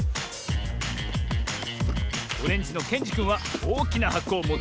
オレンジのけんじくんはおおきなはこをもってきたぞ。